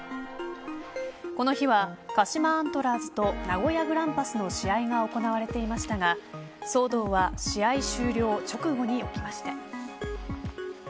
この日は鹿島アントラーズと名古屋グランパスの試合が行われていましたが騒動は、試合終了直後に起きました。